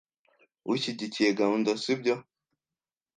Ushyigikiye gahunda, sibyo?